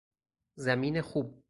زمین خوب